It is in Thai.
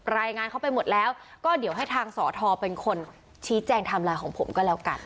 รายงานเข้าไปหมดแล้วก็เดี๋ยวให้ทางสอทอเป็นคนชี้แจงไทม์ไลน์ของผมก็แล้วกัน